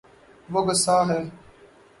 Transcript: وہ گصاہ ہے